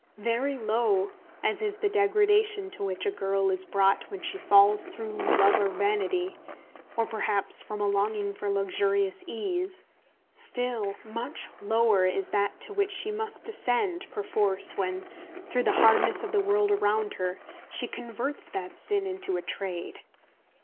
Very low as is the degradation to which a girl is brought when she falls through love or vanity, or perhaps from a longing for luxurious ease, still much lower is that to which she must descend perforce when, through the hardness of the world around her, she converts that sin into a trade.